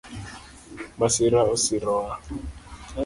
Masira osirowa